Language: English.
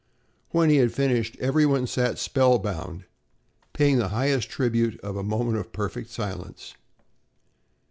When he had finished, every one sat spellbound, paying the highest tribute of a moment of perfect silence.